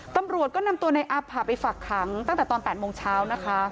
ตำรวจก็นำตัวในอาผ่าไปฝักขังตั้งแต่ตอน๘โมงเช้านะคะ